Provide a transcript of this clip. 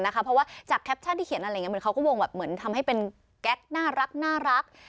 เพราะว่าจากแคปชั่นที่เขียนอะไรอย่างนี้เหมือนเขาก็วงแบบเหมือนทำให้เป็นแก๊กน่ารัก